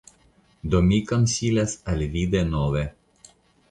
Mi do konsilas al vi denove.